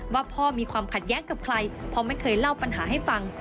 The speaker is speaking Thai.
ว่าพ่อมีความขัดแย้งกับใครพ่อไม่เคยเล่าปัญหาให้ฟัง